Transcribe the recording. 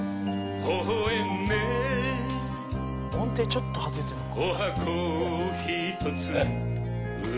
「音程ちょっと外れてるのか」